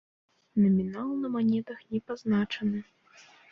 Намінал на манетах не пазначаны.